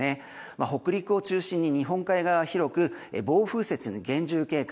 北陸を中心に日本海側は広く暴風雪に厳重警戒。